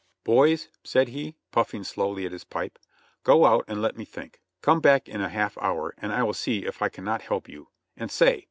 "Boys," said he, puffing slowly at his pipe, "go out and let me think ; come back in a half hour and I will see if I cannot help you, and say!